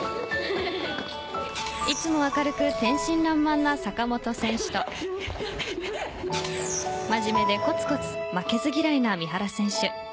いつも明るく天真爛漫な坂本選手と真面目でコツコツ負けず嫌いな三原選手。